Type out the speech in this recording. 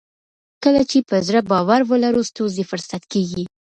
کله چې په زړه باور ولرو ستونزې فرصت کیږي.